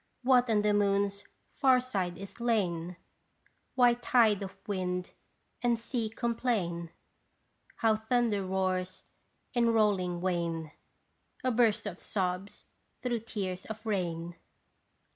What on the moon's far side is lain ? Why tide of wind and sea complain ? How thunder roars in rolling wane A burst of sobs through tears of rain